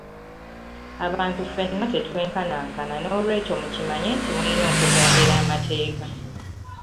Abantu ffenna tetwenkanankana nolwekyo mukimanye nti muyina okugondera amateeka.